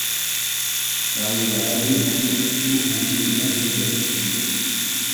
La rivière L'Abbé coule surtout en zones agricoles.